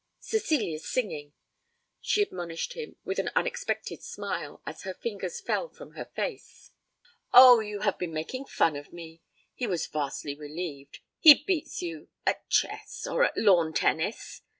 Cecilia's singing!' she admonished him with an unexpected smile, as her fingers fell from her face. 'Oh, you have been making fun of me.' He was vastly relieved. 'He beats you at chess or at lawn tennis?'